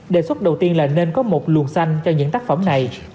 đề xuất đầu tiên là nên có một luồng xanh cho những tác phẩm này